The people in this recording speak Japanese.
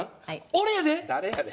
俺やで！